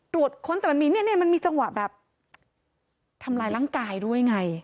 ค้นแต่มันมีเนี่ยมันมีจังหวะแบบทำร้ายร่างกายด้วยไง